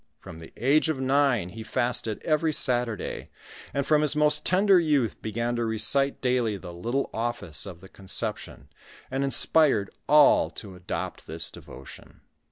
From the age of nine, he fasted every Saturday ; and from his most tender youth began to recite daily the little office of the Conception, and inspired all to adopt this devotion.